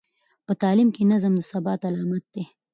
په تعلیم کې نظم د ثبات علامت دی.